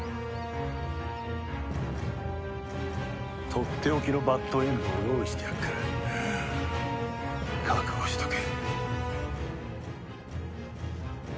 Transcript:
とっておきのバッドエンドを用意してやっから覚悟しとけ。